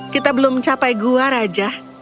kita belum mencapai gua raja